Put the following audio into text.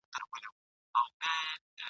موږ ګټلی دي جنګونه تر ابده به جنګېږو ..